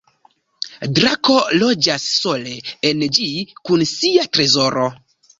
Drako loĝas sole en ĝi kun sia trezoro.